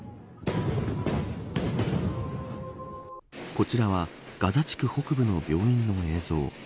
こちらはガザ地区北部の病院の映像。